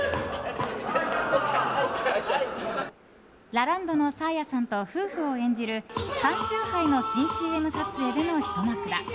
ラランドのサーヤさんと夫婦を演じる缶酎ハイの新ＣＭ撮影でのひと幕だ。